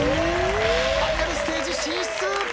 ファイナルステージ進出！